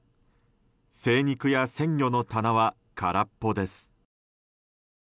精肉や鮮魚の棚は空っぽです。